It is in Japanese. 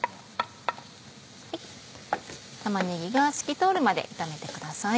玉ねぎが透き通るまで炒めてください。